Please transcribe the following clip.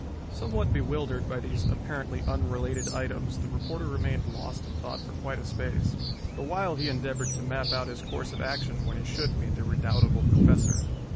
Somewhat bewildered by these apparently unrelated items, the reporter remained lost in thought for quite a space, the while he endeavored to map out his course of action when he should meet the redoubtable Professor.